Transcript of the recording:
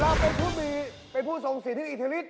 เราเป็นผู้มีเป็นผู้ทรงสิทธิอิทธิฤทธ